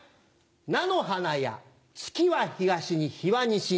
菜の花や月は東に日は西に。